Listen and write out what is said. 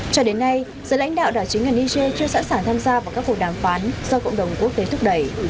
cho đến nay giữa lãnh đạo đảo chính ở niger chưa sẵn sàng tham gia vào các cuộc đàm phán do cộng đồng quốc tế thúc đẩy